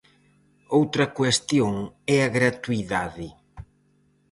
Outra cuestión é a gratuidade.